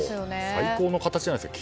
最高の形じゃないですか。